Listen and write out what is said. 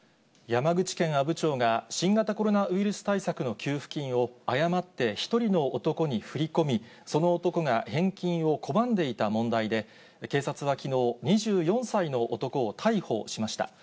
山口県阿武町が、新型コロナウイルス対策の給付金を、誤って１人の男に振り込み、その男が返金を拒んでいた問題で、警察はきのう、２４歳の男を逮捕しました。